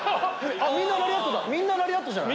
みんなラリアットじゃない？